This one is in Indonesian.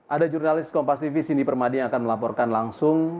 ada jurnalis kompas tv cindy permadi yang akan melaporkan langsung